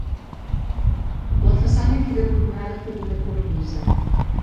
La façana queda coronada per una cornisa.